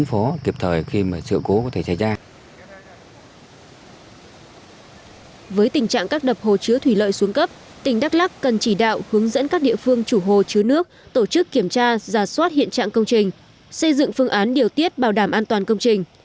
với tình trạng các đập hồ chứa thủy lợi xuống cấp tỉnh đắk lắc cần chỉ đạo hướng dẫn các địa phương chủ hồ chứa nước tổ chức kiểm tra giả soát hiện trạng công trình xây dựng phương án điều tiết bảo đảm an toàn công trình